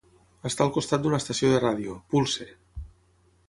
Està al costat d'una estació de ràdio, Pulse!.